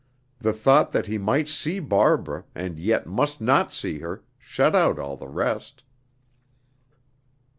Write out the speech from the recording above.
The thought that he might see Barbara, and yet must not see her, shut out all the rest.